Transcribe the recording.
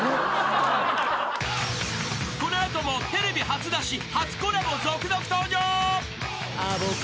［この後もテレビ初出し初コラボ続々登場］